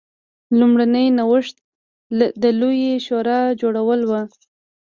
لومړنی نوښت د لویې شورا جوړول و.